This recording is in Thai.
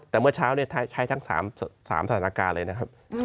แต่เมื่อเช้าใช้ทั้ง๓สถานการณ์เลยนะครับ